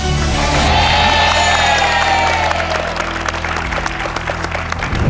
เย้